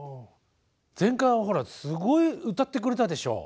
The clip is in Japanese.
前回はほらすごい歌ってくれたでしょう。